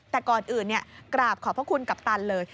แต่ก่อนอื่นกราบขอบพระคุณกัปตันเลย